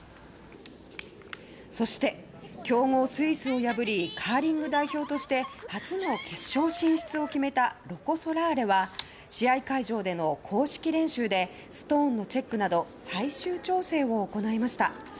そして強豪スイスを破りカーリング代表として初の決勝進出を決めたロコ・ソラーレは試合会場での公式練習でストーンのチェックなど最終調整を行いました。